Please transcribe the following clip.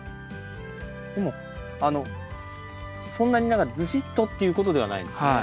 でもあのそんなに何かズシッとっていうことではないんですね。